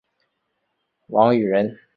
王羽人。